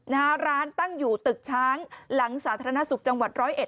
นะฮะร้านตั้งอยู่ตึกช้างหลังสาธารณสุขจังหวัดร้อยเอ็